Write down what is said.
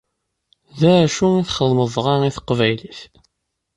D acu i txedmem dɣa i teqbaylit?